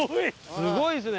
すごいですね。